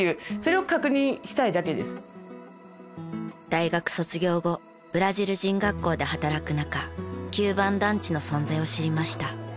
大学卒業後ブラジル人学校で働く中九番団地の存在を知りました。